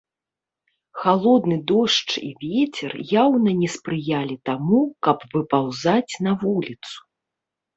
Халодны дождж і вецер яўна не спрыялі таму, каб выпаўзаць на вуліцу.